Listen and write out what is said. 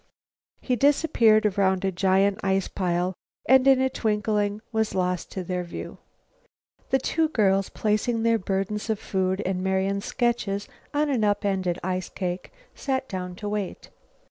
He disappeared around a giant ice pile and, in a twinkling, was lost to view. The two girls, placing their burdens of food and Marian's sketches on an up ended ice cake, sat down to wait.